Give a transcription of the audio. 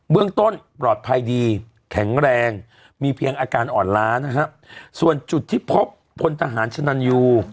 เรื่องต้นปลอดภัยดีแข็งแรงมีเพียงอาการอ่อนล้านะฮะส่วนจุดที่พบพลทหารชนันยู